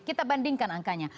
kita bandingkan angkanya